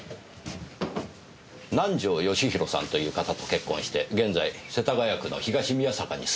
南条義弘さんという方と結婚して現在世田谷区の東宮坂に住んでいます。